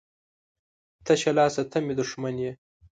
ـ تشه لاسه ته مې دښمن یې.